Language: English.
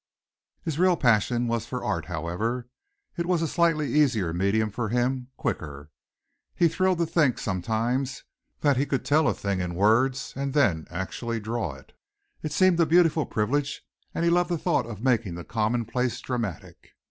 His real passion was for art, however. It was a slightly easier medium for him quicker. He thrilled to think, sometimes, that he could tell a thing in words and then actually draw it. It seemed a beautiful privilege and he loved the thought of making the commonplace dramatic.